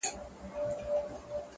گرا ني خبري سوې پرې نه پوهېږم؛